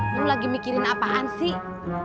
nih lu lagi mikirin apaan sih